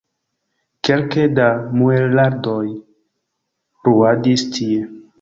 Kelke da muelradoj bruadis tie.